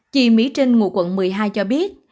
chị mỹ trinh ngụ quận một mươi hai cho biết